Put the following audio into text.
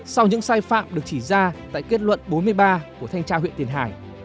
sau những sai phạm được chỉ ra tại kết luận bốn mươi ba của thanh tra huyện tiền hải